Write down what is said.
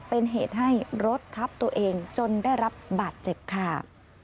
เป็นเหตุให้รถทับตัวเองจนได้รับบาดเจ็บค่ะ